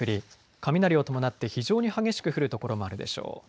雷を伴って非常に激しく降る所もあるでしょう。